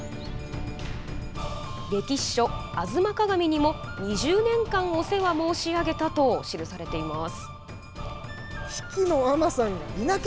歴史書、吾妻鏡にも２０年間お世話申し上げたと記されています。